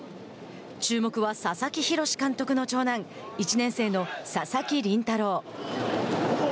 注目は佐々木洋監督の長男１年生の佐々木麟太郎。